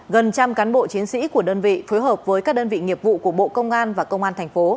gần trăm cán bộ chiến sĩ của đơn vị phối hợp với các đơn vị nghiệp vụ của bộ công an và công an thành phố